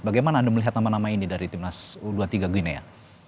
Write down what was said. bagaimana anda melihat nama nama ini dari timnas u dua puluh tiga guinea